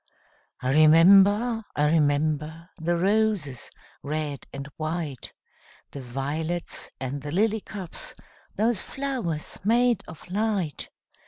I remember, I remember, The roses, red and white, The violets, and the lily cups, Those flowers made of light!